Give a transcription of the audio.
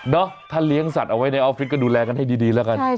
ถ้าเลี้ยงสัตว์เอาไว้ในออฟฟิศก็ดูแลกันให้ดีแล้วกัน